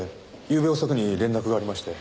ゆうべ遅くに連絡がありまして。